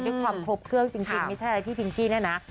ครบเครื่องจริงไม่ใช่อะไรพี่พิงกี้เนี่ยนะ